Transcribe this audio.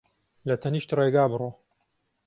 لە تەنیشت ڕێگا بڕۆ